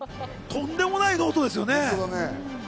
とんでもないノートですよね。